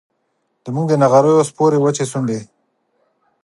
زموږ د نغریو سپورې وچې شونډي